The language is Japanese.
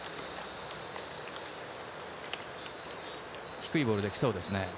低いボールできそうですね。